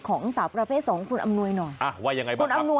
ของสาวประเภทสองคุณอำนวยนอน